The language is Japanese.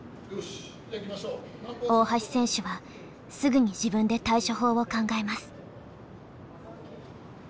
大橋選手はすぐに自分で対処法を考えます。